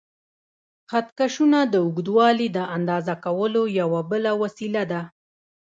خط کشونه د اوږدوالي د اندازه کولو یوه بله وسیله ده.